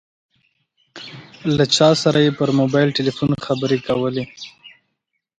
له چا سره یې پر موبایل ټیلیفون خبرې کولې.